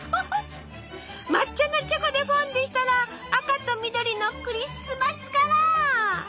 抹茶のチョコでフォンデュしたら赤と緑のクリスマスカラー！